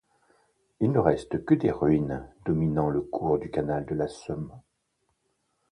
Il ne reste que des ruines dominant le cours du canal de la Somme.